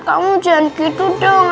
kamu jangan gitu dong